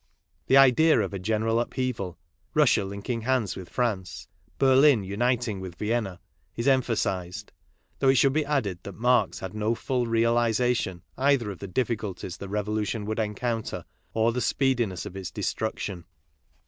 The idea of a general upheaval, Russia link ing hands with France, Berlin uniting with Vienna, is emphasized, though it should be added that Marx had no full realization either of the difficulties the Revolu tion would encounter, or the speediness of its destruc tion.